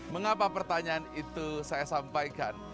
mengapa pertanyaan itu saya sampaikan